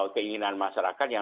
keinginan masyarakat yang